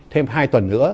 thêm hai tuần nữa